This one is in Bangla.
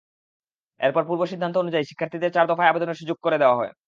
এরপর পূর্ব সিদ্ধান্ত অনুযায়ী শিক্ষার্থীদের চার দফায় আবেদনের সুযোগ দেওয়া হয়।